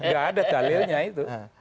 gak ada dalilnya itu